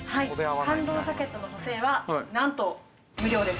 ◆感動ジャケットの補正はなんと無料です。